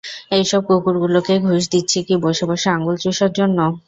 এইসব কুকুরগুলোকে ঘুষ দিচ্ছি কি বসে বসে আঙ্গুল চুষার জন্য?